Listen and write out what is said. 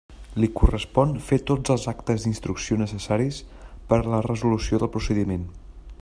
Li correspon fer tots els actes d'instrucció necessaris per a la resolució del procediment.